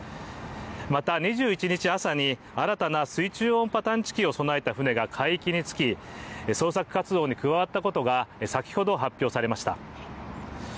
また２１日朝に新たな水中音波探知機を備えた船が海域に着き、捜索活動に加わったことが先ほど発表されました。